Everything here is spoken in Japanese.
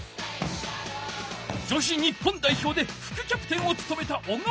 女子日本代表でふくキャプテンをつとめた小川選手。